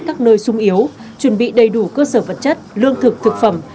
các nơi sung yếu chuẩn bị đầy đủ cơ sở vật chất lương thực thực phẩm